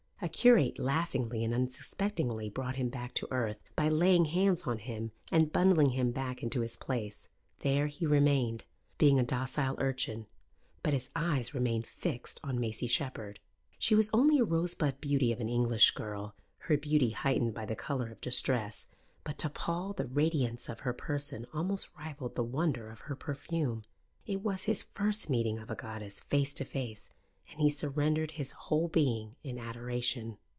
A curate laughingly and unsuspectingly brought him back to earth by laying hands on him and bundling him back into his place. There he remained, being a docile urchin; but his eyes remained fixed on Maisie Shepherd. She was only a rosebud beauty of an English girl, her beauty heightened by the colour of distress, but to Paul the radiance of her person almost rivalled the wonder of her perfume. It was his first meeting of a goddess face to face, and he surrendered his whole being in adoration.